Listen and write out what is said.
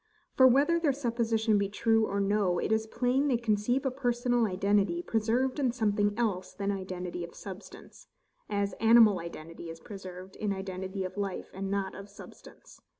For, whether their supposition be true or no, it is plain they conceive personal identity preserved in something else than identity of substance; as animal identity is preserved in identity of life, and not of substance.